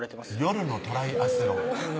夜のトライアスロン